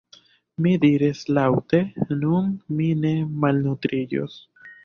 Mi diris laŭte: “nun mi ne malnutriĝos! »